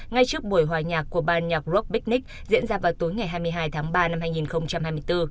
ngay trước buổi hòa nhạc của ban nhạc rocknic diễn ra vào tối ngày hai mươi hai tháng ba năm hai nghìn hai mươi bốn